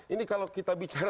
ini kalau kita bicara